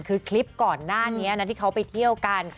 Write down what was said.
คือคลิปก่อนหน้านี้นะที่เขาไปเที่ยวกัน